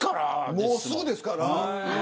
もうすぐですから。